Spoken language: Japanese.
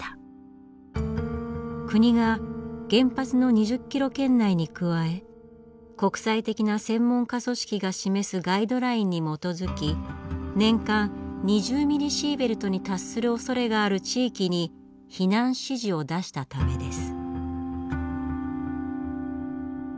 国が原発の２０ｋｍ圏内に加え国際的な専門家組織が示すガイドラインに基づき年間２０ミリシーベルトに達するおそれがある地域に避難指示を出したためです。